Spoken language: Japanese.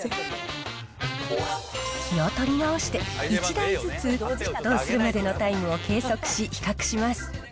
気を取り直して、１台ずつ、沸騰するまでのタイムを計測し、比較します。